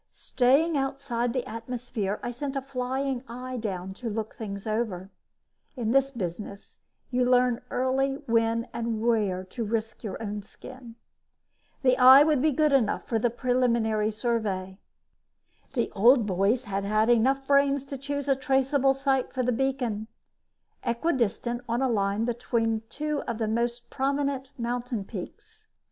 Staying outside the atmosphere, I sent a flying eye down to look things over. In this business, you learn early when and where to risk your own skin. The eye would be good enough for the preliminary survey. The old boys had enough brains to choose a traceable site for the beacon, equidistant on a line between two of the most prominent mountain peaks.